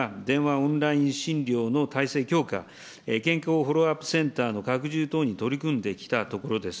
オンライン診療の体制強化、健康フォローアップセンターの拡充等に取り組んできたところであります。